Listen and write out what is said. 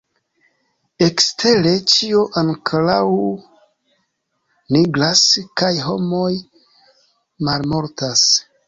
Ekstere, ĉio ankoraŭ nigras, kaj homoj malmultas.